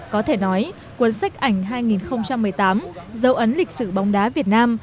có thể nói cuốn sách ảnh hai nghìn một mươi tám dấu ấn lịch sử bóng đá việt nam